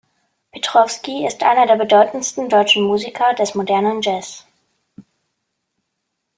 Petrowsky ist einer der bedeutendsten deutschen Musiker des modernen Jazz.